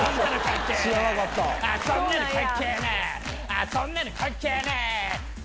あそんなの関係ねぇ！